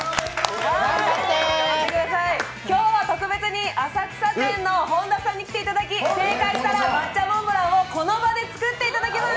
今日は特別に浅草店の本田さんに来ていただき正解したら抹茶モンブランをこの場で作っていただきます。